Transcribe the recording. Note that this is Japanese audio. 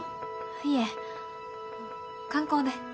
いえ観光で。